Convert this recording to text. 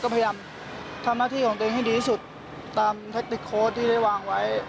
พยายามทำหน้าที่ของตัวเองให้ดีที่สุดตามแทคติกโค้ดที่ได้วางไว้